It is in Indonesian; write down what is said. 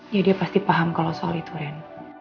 ya dia pasti paham kalau soal itu ren